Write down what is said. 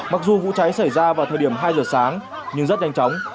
mặc dù vụ cháy xảy ra vào thời điểm hai giờ sáng nhưng rất nhanh chóng